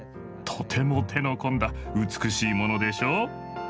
とても手の込んだ美しいものでしょう？